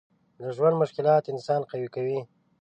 د ژوند مشکلات انسان قوي کوي.